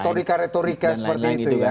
retorika retorika seperti itu ya